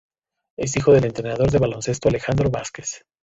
Es hijo del entrenador de baloncesto Alejandro Vázquez.